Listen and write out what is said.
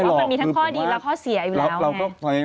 มันมีทั้งข้อดีและข้อเสียอยู่แล้ว